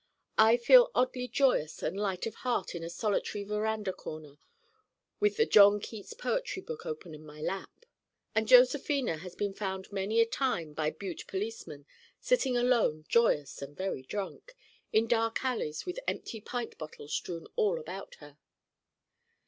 I feel oddly joyous and light of heart on a solitary veranda corner with the John Keats poetry book open in my lap. And Josephina has been found many a time by Butte policemen sitting alone joyous and very drunk, in dark alleys with empty pint bottles strewn all about her.